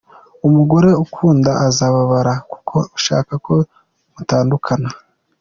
umugore ugukunda azababara kuko ushaka ko mutandukana.